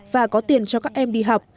và có tiền cho các em đi học